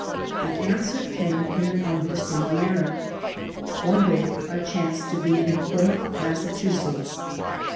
The answer came in an unforeseen manner. One day I chanced to be in Plymouth, Massachusetts.